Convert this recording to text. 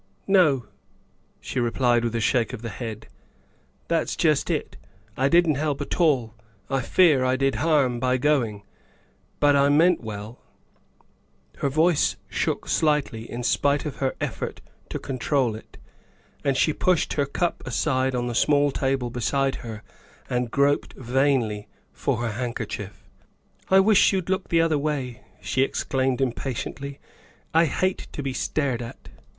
" No," she replied with a shake of the head, " that's just it. I didn't help at all. I I fear I did harm by going. But I meant well." Her voice shook slightly in spite of her effort to con trol it, and she pushed her cup aside on the small table beside her and groped vainly for her handkerchief. " I wish you'd look the other way," she exclaimed impatiently, " I hate to be stared at."